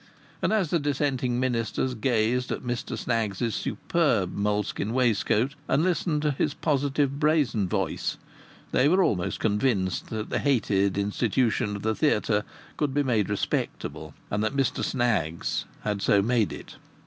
And as the dissenting ministers gazed at Mr Snaggs's superb moleskin waistcoat, and listened to his positive brazen voice, they were almost convinced that the hated institution of the theatre could be made respectable and that Mr Snaggs had so made it.